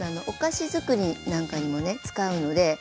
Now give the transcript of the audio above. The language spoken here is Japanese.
お菓子づくりなんかにもね使うので。